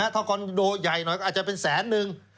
ถ้าคอนโดใหญ่หน่อยก็อาจจะเป็นแสนนึง